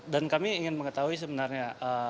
dan kami ingin mengetahui sebenarnya